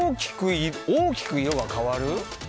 大きく色が変わる。